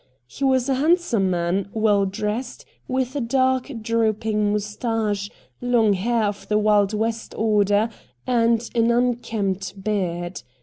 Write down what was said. He was a handsome man, well dressed, with a dark, drooping moustache, long hair of the Wild West order, and an unkempt beard.